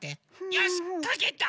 よしっかけた！